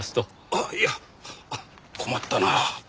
あっいや困ったな。